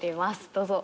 どうぞ。